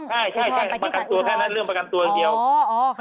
ใช่ใช่ใช่ประกันตัวแค่นั้นเรื่องประกันตัวเดียวอ๋ออ๋อค่ะ